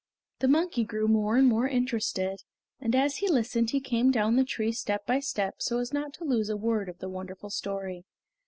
The monkey grew more and more interested, and as he listened he came down the tree step by step so as not to lose a word of the wonderful story.